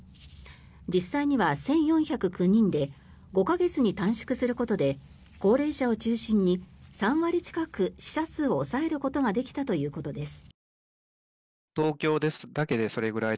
実際には１４０９人で５か月に短縮することで高齢者を中心に３割近く死者数を抑えることができたということです。